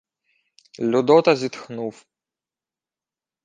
Людота зітхнув.